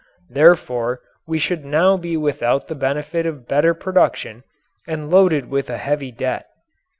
Therefore we should now be without the benefit of better production and loaded with a heavy debt.